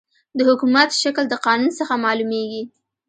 د حکومت شکل د قانون څخه معلوميږي.